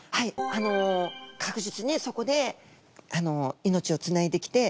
あの確実にそこで命をつないできて。